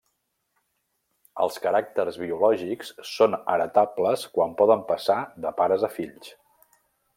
Els caràcters biològics són heretables quan poden passar de pares a fills.